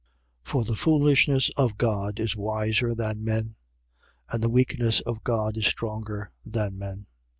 1:25. For the foolishness of God is wiser than men: and the weakness of God is stronger than men.